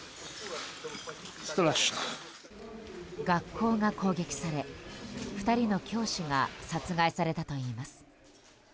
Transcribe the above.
学校が攻撃され、２人の教師が殺害されたといいます。